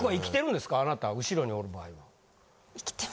あなた後ろにおる場合は？